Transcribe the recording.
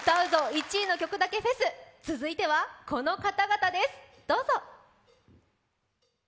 １位の曲だけフェス」続いてはこの方々です、どうぞ。